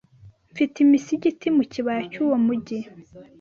Mfite imisigiti mu kibaya cy'uwo mujyi